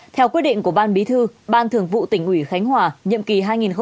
theo quyết định của ban bí thư ban thường vụ tỉnh ủy khánh hòa nhiệm kỳ hai nghìn một mươi hai nghìn một mươi năm